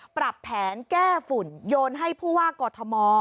ปรับแผนแก้ฝุ่นโยนให้ผู้ว่ากอทม